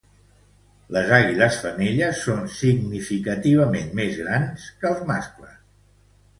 Les àguiles femelles són significativament més grans que els mascles.